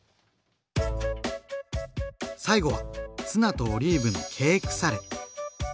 最後はツナとオリーブのケークサレ。